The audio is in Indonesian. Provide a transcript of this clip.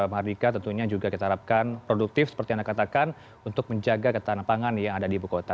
mardika tentunya juga kita harapkan produktif seperti anda katakan untuk menjaga ketahanan pangan yang ada di ibu kota